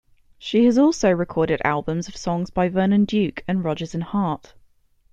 She has also recorded albums of songs by Vernon Duke and Rodgers and Hart.